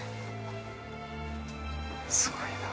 すごいな。